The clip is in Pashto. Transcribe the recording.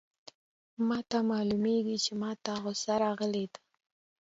ما ته معلومیږي چي ما ته غوسه راغلې ده.